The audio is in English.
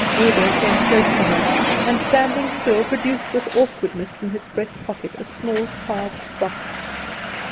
Waldo came close to her, and standing still, produced with awkwardness from his breast pocket a small carved box.